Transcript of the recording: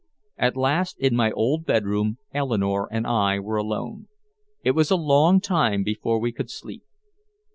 At last in my old bedroom Eleanore and I were alone. It was a long time before we could sleep.